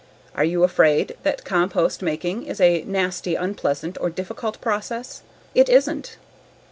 Are you afraid that compost making is a nasty, unpleasant, or difficult process? It isn't.